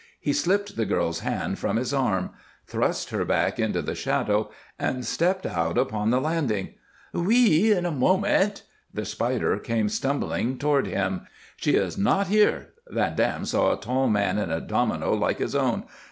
He slipped the girl's hand from his arm, thrust her back into the shadows, and stepped out upon the landing. "Oui! In a moment!" The Spider came stumbling toward him. "She is not here." Van Dam saw a tall man in a domino like his own.